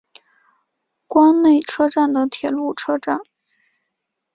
关内车站的铁路车站。